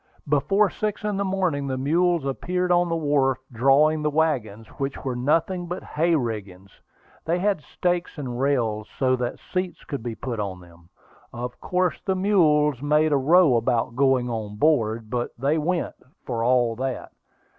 Before six in the morning, the mules appeared on the wharf, drawing the wagons, which were nothing but "hay riggings." They had stakes and rails, so that seats could be put on them. Of course the mules made a row about going on board; but they went, for all that.